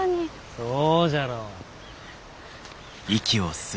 そうじゃろ。